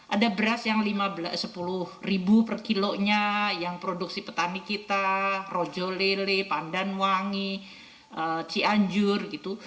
ada beras yang rp sepuluh per kilonya yang produksi petani kita rojo lele pandanwangi cianjur gitu